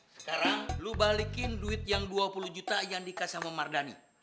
sekarang lu balikin duit yang dua puluh juta yang dikasih sama mardani